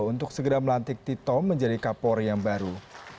untuk segera melantik tito menjadi kapolri yang baru